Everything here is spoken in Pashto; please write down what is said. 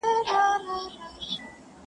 • مکمل یې خپل تحصیل په ښه اخلاص کئ..